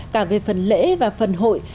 cả về phần lễ và phần hội